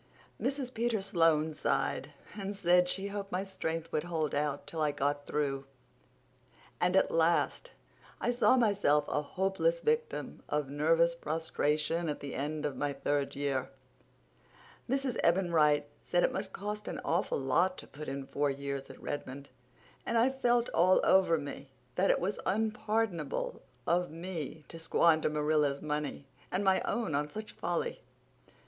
Mrs. Peter Sloane sighed and said she hoped my strength would hold out till I got through; and at once I saw myself a hopeless victim of nervous prostration at the end of my third year; Mrs. Eben Wright said it must cost an awful lot to put in four years at Redmond; and I felt all over me that it was unpardonable of me to squander Marilla's money and my own on such a folly.